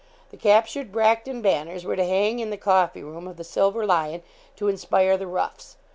The captured Bracton banners were to hang in the coffee room of the 'Silver Lion,' to inspire the roughs.